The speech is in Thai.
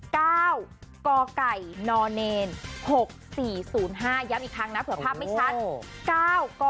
ย้ำอีกครั้งนะเผื่อภาพไม่ชัด